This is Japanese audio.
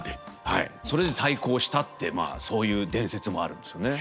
はいそれで対抗したってまあそういう伝説もあるんですよね。